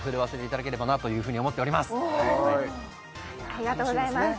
ありがとうございます